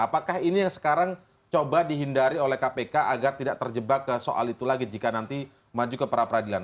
apakah ini yang sekarang coba dihindari oleh kpk agar tidak terjebak ke soal itu lagi jika nanti maju ke pra peradilan